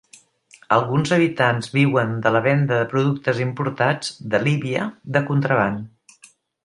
Alguns habitants viuen de la venda de productes importats de Líbia de contraban.